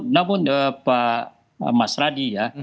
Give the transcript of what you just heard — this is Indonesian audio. namun pak mas raditya